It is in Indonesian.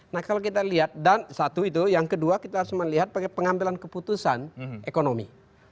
nah kalau kita lihat dan satu itu yang kedua kita harus melihat pengambilan keputusan ekonomi